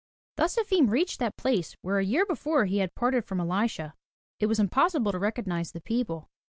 Thus Efim reached that place where a year before he had parted from Elisha. It was impossible to recognize the people.